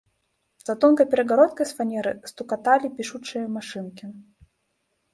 За тонкай перагародкай з фанеры стукаталі пішучыя машынкі.